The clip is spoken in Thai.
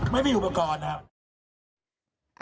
ไม่มีอุปกรณ์นะครับ